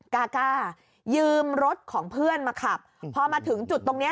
กาก้ายืมรถของเพื่อนมาขับพอมาถึงจุดตรงเนี้ย